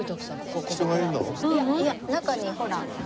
いや中にほら。